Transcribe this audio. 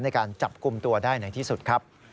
ในการจับกลุ่มตัวได้ในที่สุดครับ